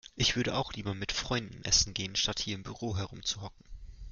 Ich würde auch lieber mit Freunden Essen gehen, statt hier im Büro herumzuhocken.